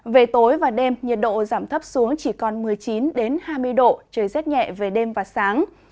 về tối và đêm nhiệt độ giảm thấp xuống chỉ còn một mươi chín hai mươi độ trời rét nhẹ về đêm và sáng